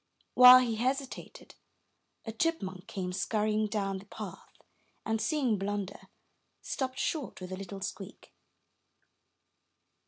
While he hesitated, a chipmunk came scurrying down the path, and, seeing Blunder, stopped short with a little squeak.